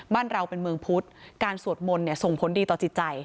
บ้านเราเป็นเมืองพุทธการสวดมนต์เนี่ยส่งผลดีต่อจิตใจ